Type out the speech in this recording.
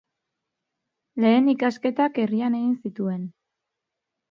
Lehen ikasketak herrian egin zituen.